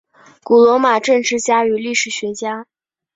古罗马政治家与历史学家。